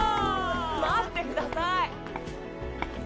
待ってください！